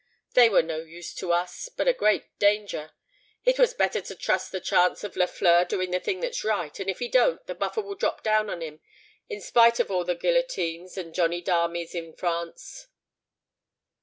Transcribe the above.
They were no use to us—but a great danger. It was better to trust to the chance of Lafleur doing the thing that's right; and if he don't, the Buffer will drop down on him, in spite of all the guilloteens and Johnny darmies in France."